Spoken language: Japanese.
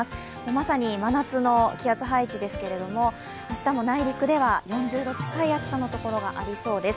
まさに真夏の気圧配置ですけれども明日も内陸では４０度近い暑さのところがありそうです。